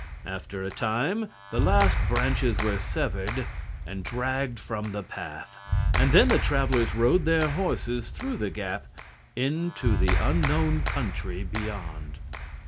After a time the last branches were severed and dragged from the path, and then the travelers rode their horses through the gap into the unknown country beyond.